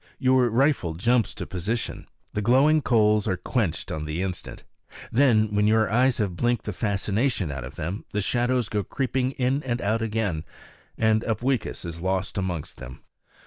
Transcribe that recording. Your rifle jumps to position; the glowing coals are quenched on the instant. Then, when your eyes have blinked the fascination out of them, the shadows go creeping in and out again, and Upweekis is lost amongst them.